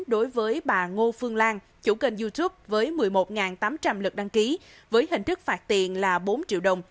đối với bà ngô phương lan chủ kênh youtube với một mươi một tám trăm linh lực đăng ký với hình thức phạt tiền là bốn triệu đồng